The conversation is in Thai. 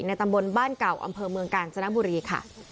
ตำบลบ้านเก่าอำเภอเมืองกาญจนบุรีค่ะ